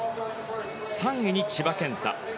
３位に千葉健太。